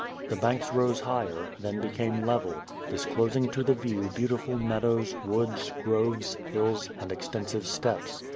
The banks rose higher, then became level, disclosing to the view beautiful meadows, woods, groves, hills, and extensive steppes.